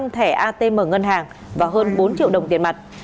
năm thẻ atm ngân hàng và hơn bốn triệu đồng tiền mặt